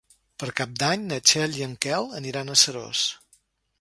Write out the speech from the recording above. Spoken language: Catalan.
Per Cap d'Any na Txell i en Quel aniran a Seròs.